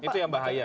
itu yang bahaya ya